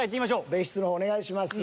別室の方お願いします。